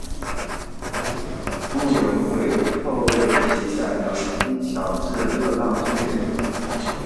慕容廆后为其在辽西侨置乐浪郡。